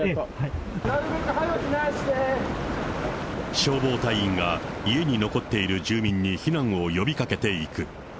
消防隊員が家に残っている住民に避難を呼びかけていく。